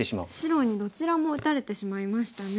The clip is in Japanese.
白にどちらも打たれてしまいましたね。